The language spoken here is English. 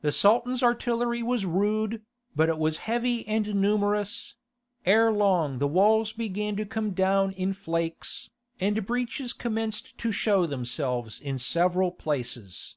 The Sultan's artillery was rude, but it was heavy and numerous; ere long the walls began to come down in flakes, and breaches commenced to show themselves in several places.